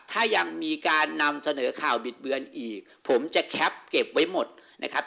ถ้ายังมีการนำเสนอข่าวบิดเบือนอีกผมจะแคปเก็บไว้หมดนะครับ